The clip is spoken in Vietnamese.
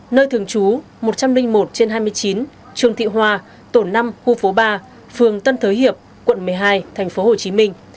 nơi thường trú một trăm linh một trên hai mươi chín trường thị hòa tổ năm khu phố ba phường tân thới hiệp quận một mươi hai tp hcm